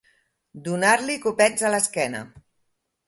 Donar-li copets a l'esquena.